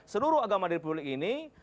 seluruh agama di republik ini